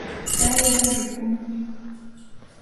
Kayqa rukum.